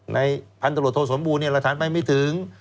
ในพันธุรกิจโทษสมบูรณ์หลักฐานไปไม่ถึง